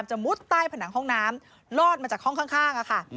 มุดใต้ผนังห้องน้ำลอดมาจากห้องข้างค่ะ